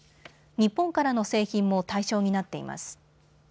日本からの製品も対象になっています。